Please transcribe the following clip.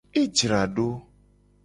E jra do.